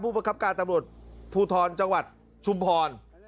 ผู้เบคับการตำรวจพู่ทรจังหวัดชุมพร